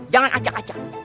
jangan acak acak